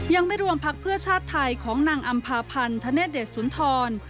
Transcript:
ยังไม่รวมพักเพื่อชาติไทยของนางอำภาพันธเนธเดชสุนทร